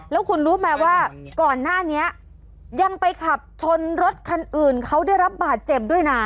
แล้วคุณรู้ไหมว่าก่อนหน้านี้ยังไปขับชนรถคันอื่นเขาได้รับบาดเจ็บด้วยนะ